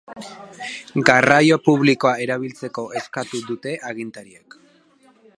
Garraio publikoa erabiltzeko eskatu dute agintariek.